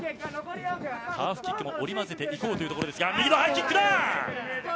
カーフキックも織り交ぜていこうというところ。